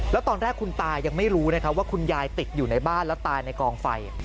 แล้วตอนแรกคุณตายังไม่รู้นะครับว่าคุณยายติดอยู่ในบ้านแล้วตายในกองไฟ